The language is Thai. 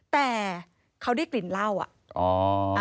แต่เขาได้กลิ่นเหล้าอ่ะ